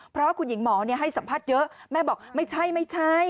เพราะคุณหญิงหมอให้สัมภาษณ์เยอะแม่บอกไม่ใช่ไม่ใช่